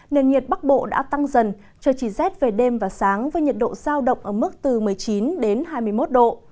nền nhiệt bắc bộ đã tăng dần trời chỉ rét về đêm và sáng với nhiệt độ sao động ở mức từ một mươi chín đến hai mươi một độ